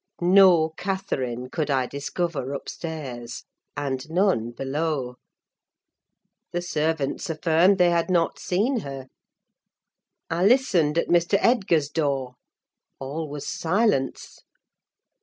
No Catherine could I discover upstairs, and none below. The servants affirmed they had not seen her. I listened at Mr. Edgar's door; all was silence.